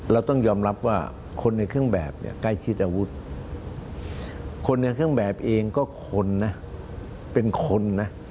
เราต้องยอมรับว่าคนในเครื่องแบบเนี่ยใกล้ชิดอาวุธคนในเครื่องแบบเองก็คนนะเป็นคนนะ